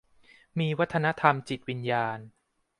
มีวัฒนธรรมจิตวิญญาณ